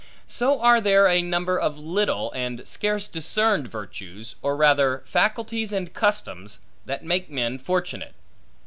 So are there a number of little, and scarce discerned virtues, or rather faculties and customs, that make men fortunate.